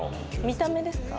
見た目ですか？